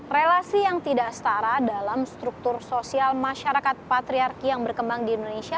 relasi yang tidak setara dalam struktur sosial masyarakat patriarki yang berkembang di indonesia